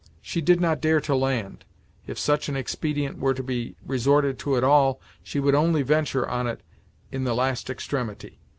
She did not dare to land; if such an expedient were to be resorted to at all, she could only venture on it in the last extremity.